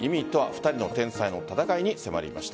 ２人の天才の戦いに迫りました。